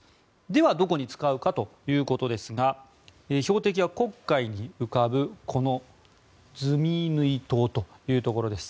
ではどこに使うかということですが標的は黒海に浮かぶこのズミイヌイ島というところです。